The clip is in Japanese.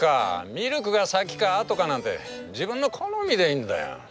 ミルクが先か後かなんて自分の好みでいいんだよ。